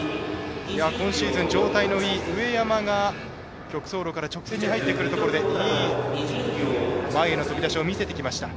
今シーズン、状態のいい上山が曲走路から直線に入ってくるところでいい前への飛び出しを見せてきました。